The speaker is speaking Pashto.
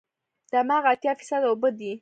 دماغ اتیا فیصده اوبه دي.